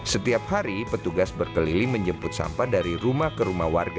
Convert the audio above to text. setiap hari petugas berkeliling menjemput sampah dari rumah ke rumah warga